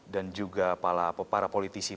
dan juga para politisi